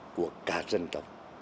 của cả dân tộc